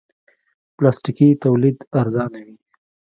پلاستيکي تولید ارزانه وي.